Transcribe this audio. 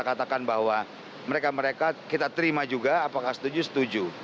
katakan bahwa mereka mereka kita terima juga apakah setuju setuju